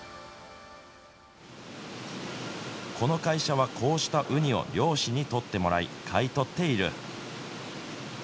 この会社は、こうしたウニを漁師に取ってもらい、買い取っている。